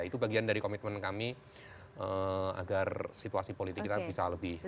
itu bagian dari komitmen kami agar situasi politik kita bisa lebih baik